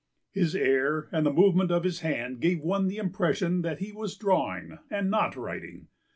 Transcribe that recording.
His air and the movement of his hand gave one the impression that he was drawing and not writing.